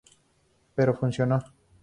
Pero funcionó.